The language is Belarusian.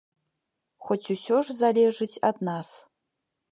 Хоць усё ж залежыць ад нас.